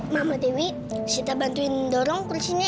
mama dewi sita bantuin dorong kursinya ya